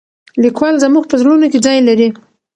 لیکوال زموږ په زړونو کې ځای لري.